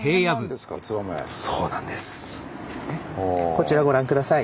こちらご覧下さい。